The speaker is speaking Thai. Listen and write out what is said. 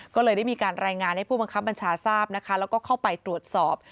ก็เลยได้มีการรายงานให้ผู้บังคับบัญชาทราบนะคะแล้วก็เข้าไปตรวจสอบ